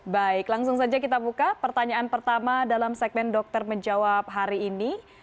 baik langsung saja kita buka pertanyaan pertama dalam segmen dokter menjawab hari ini